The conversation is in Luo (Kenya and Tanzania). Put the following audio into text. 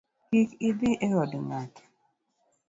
Kik idhi e od ng’ato